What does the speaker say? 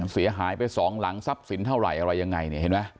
เสียหายไปสองหลังทรัพย์สินเท่าไหร่อะไรยังไงเนี่ยเห็นไหม